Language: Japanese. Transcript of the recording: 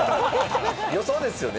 予想ですよね。